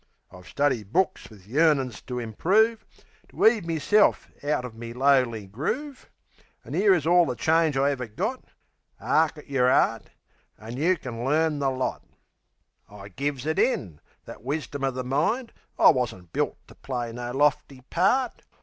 I've studied books wiv yearnings to improve, To 'eave meself out of me lowly groove, An' 'ere is orl the change I ever got: "'Ark at yer 'eart, an' you kin learn the lot." I gives it in that wisdom o' the mind I wasn't built to play no lofty part.